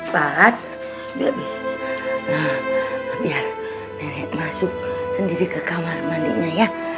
pahat biar nenek masuk sendiri ke kamar mandinya ya